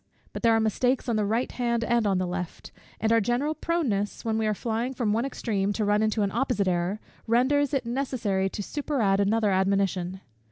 But there are mistakes on the right hand and on the left; and our general proneness, when we are flying from one extreme to run into an opposite error, renders it necessary to superadd another admonition.